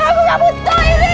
aku tidak butuh ini